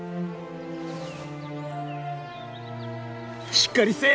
しっかりせい！